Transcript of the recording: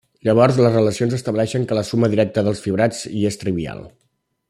Llavors les relacions estableixen que la suma directa dels fibrats i és trivial.